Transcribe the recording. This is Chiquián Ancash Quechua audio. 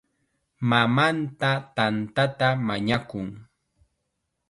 Mamanta tantata mañakun.